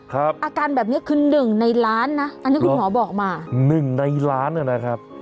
อาการแบบเนี้ยคือหนึ่งในล้านนะอันนี้คุณหมอบอกมาหนึ่งในล้านนะครับ